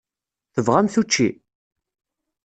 Tebɣamt učči?